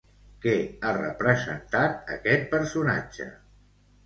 Què ha representat aquest personatge?